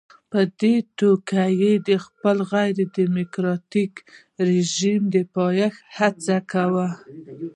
په دې توګه یې د خپل غیر ډیموکراټیک رژیم د پایښت هڅه کوله.